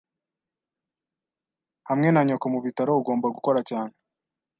Hamwe na nyoko mubitaro, ugomba gukora cyane